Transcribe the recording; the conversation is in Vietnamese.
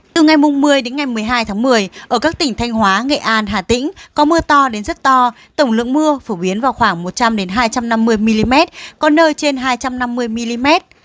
từ ngày một mươi đến ngày một mươi hai tháng một mươi ở các tỉnh thanh hóa nghệ an hà tĩnh có mưa to đến rất to tổng lượng mưa phổ biến vào khoảng một trăm linh hai trăm năm mươi mm có nơi trên hai trăm năm mươi mm